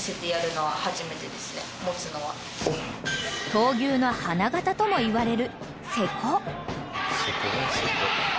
［闘牛の花形ともいわれる勢子］